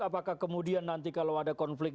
apakah kemudian nanti kalau ada konflik